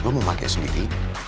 gue yang pake sendiri